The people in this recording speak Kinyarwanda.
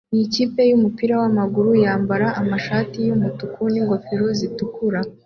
Iyi kipe yumupira wamaguru yambara amashati yumutuku n'ingofero zitukura